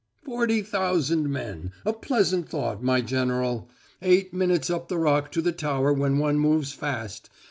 "Forty thousand men! A pleasant thought, my General. Eight minutes up the Rock to the tower when one moves fast.